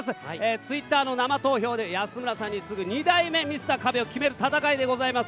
Ｔｗｉｔｔｅｒの生投票で安村さんに次ぐ２代目ミスター壁を決める戦いです。